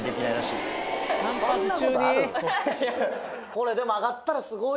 これでも上がったらすごい。